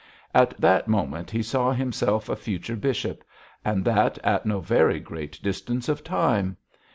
At that moment he saw himself a future bishop, and that at no very great distance of time.